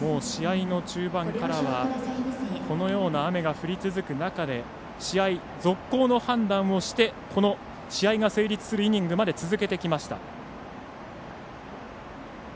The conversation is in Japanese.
もう試合の中盤からはこのような雨が降り続く中で試合、続行の判断をしてこの試合が成立するイニングまで続けてきました。